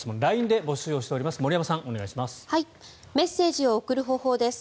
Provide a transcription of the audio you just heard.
ＬＩＮＥで募集しています。